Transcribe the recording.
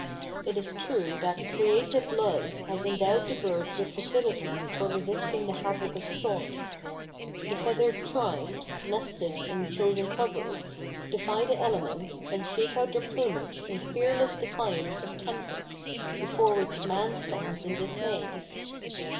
It is true that creative love has endowed the birds with facilities for resisting the havoc of storms. The feathered tribes, nested in chosen coverts, defy the elements and shake out their plumage in fearless defiance of tempests before which man stands in dismay.